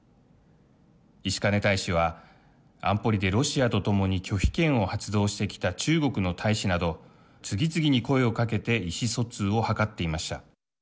石兼大使は安保理でロシアと共に拒否権を発動してきた中国の大使など次々に声をかけて意思疎通を図っていました。